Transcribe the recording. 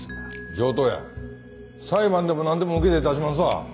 上等や裁判でも何でも受けて立ちますわ。